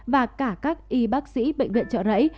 và cả các y bác sĩ bệnh viện trợ rẫy